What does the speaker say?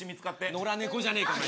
野良猫じゃねえかお前。